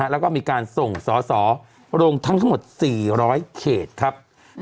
แล้วก็มีการส่งสอสอลงทั้งทั้งหมด๔๐๐เขตครับ